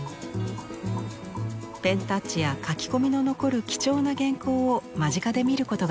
ペンタッチや書き込みの残る貴重な原稿を間近で見ることができます。